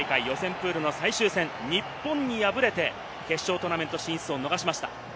プールの最終戦、日本に敗れて決勝トーナメント進出を逃しました。